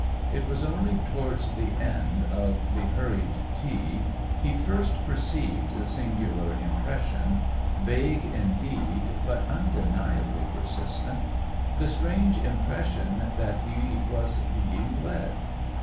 It was only towards the end of the hurried tea he first received the singular impression vague, indeed, but undeniably persistent the strange impression that he was being led.